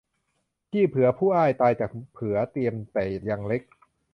พี่เผือผู้อ้ายตายจากเผือเตรียมแต่ยังเล็ก